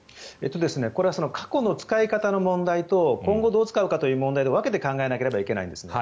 これは過去の使い方の問題とこれからどう使うかというのは分けて考えなければいけないんですね。